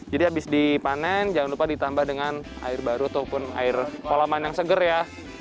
jadi abis dipanen jangan lupa ditambah dengan air baru ataupun air kolaman yang seger ya